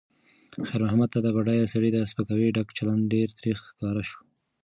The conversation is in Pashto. خیر محمد ته د بډایه سړي د سپکاوي ډک چلند ډېر تریخ ښکاره شو.